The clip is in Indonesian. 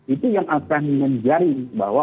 itu yang akan menjaring bahwa